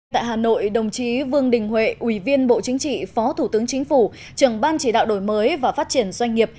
tại hà nội đồng chí vương đình huệ ủy viên bộ chính trị phó thủ tướng chính phủ trưởng ban chỉ đạo đổi mới và phát triển doanh nghiệp